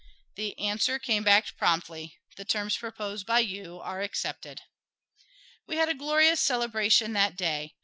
The answer came back promptly, "The terms proposed by you are accepted." We had a glorious celebration that day.